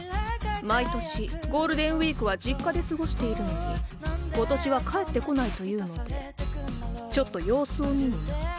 毎年ゴールデンウィークは実家で過ごしているのに今年は帰ってこないというのでちょっと様子を見にな。